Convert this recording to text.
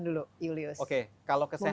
dulu julius oke kalau kesehatan